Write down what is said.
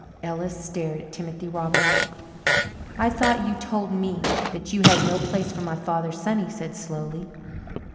Ellis stared at Timothy Robinson. "I thought you told me that you had no place for my father's son," he said slowly.